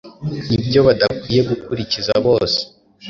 n’ibyo badakwiye gukurikiza bose